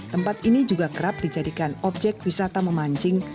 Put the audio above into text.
tempat ini juga kerap dijadikan objek wisata memancing